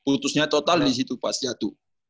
lututnya total disitu pas jatuh